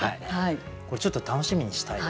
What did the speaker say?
これちょっと楽しみにしたいですね。